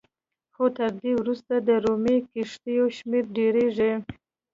خو تر دې وروسته د رومي کښتیو شمېر ډېرېږي